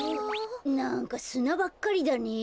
なんかすなばっかりだねえ。